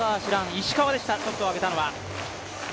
石川でした、トスを上げたのは。